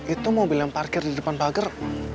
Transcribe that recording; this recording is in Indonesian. itu mobil yang parkir di depan pagar